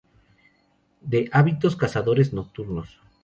De hábitos cazadores nocturnos.